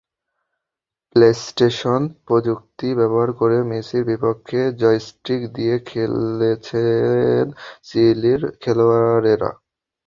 PlayStation প্রযুক্তি ব্যবহার করে মেসির বিপক্ষে জয়স্টিক দিয়ে খেলেছেন চিলির খেলোয়াড়েরা।